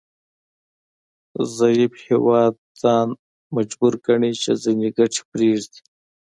ضعیف هیواد ځان مجبور ګڼي چې ځینې ګټې پریږدي